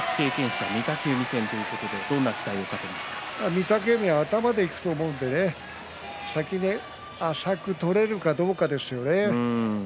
御嶽海は頭でいくと思うんで先に浅く取れるかどうかですよね。